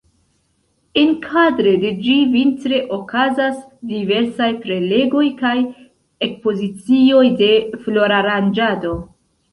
Enkadre de ĝi vintre okazas diversaj prelegoj kaj ekspozicioj de floraranĝado.